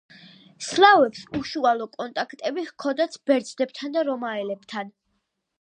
სლავებს უშუალო კონტაქტები ჰქონდათ ბერძნებთან და რომაელებთან.